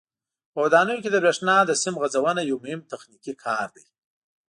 په ودانیو کې د برېښنا د سیم غځونه یو مهم تخنیکي کار دی.